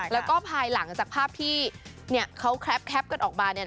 แล้วก็ภายหลังจากภาพที่เขาแครปกันออกมา